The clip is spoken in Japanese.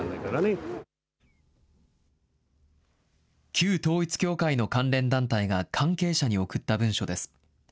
旧統一教会の関連団体が関係者に送った文書です。